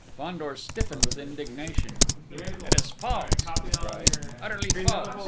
Fandor stiffened with indignation. "It is false!" he cried. "Utterly false!